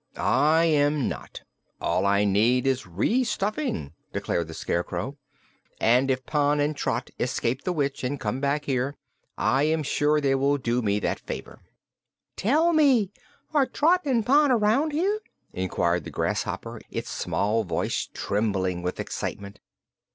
"I am not; all I need is re stuffing," declared the Scarecrow; "and if Pon and Trot escape the witch, and come back here, I am sure they will do me that favor." "Tell me! Are Trot and Pon around here?" inquired the grasshopper, its small voice trembling with excitement.